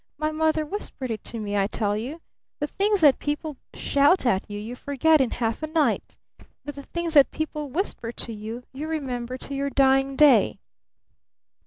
"My mother whispered it to me, I tell you! The things that people shout at you you forget in half a night. But the things that people whisper to you, you remember to your dying day!"